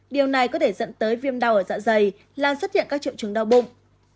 điều này có thể dẫn tới viêm đau ở dạ dày làm xuất hiện các triệu chứng đau bụng